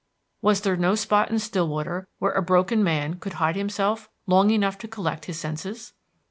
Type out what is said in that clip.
Was there no spot in Stillwater where a broken man could hide himself long enough to collect his senses?